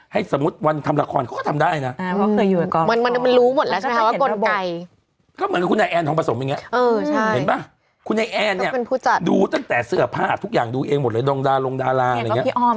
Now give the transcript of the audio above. ให้สมมุติวันทำราคอนเขาก็ทำได้น่ะอ่าเขาเคยอยู่กับกรมันมันมันรู้หมดแล้วใช่ไหม